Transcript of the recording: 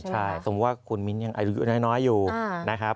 ใช่สมมุติว่าคุณมิ้นยังอายุน้อยอยู่นะครับ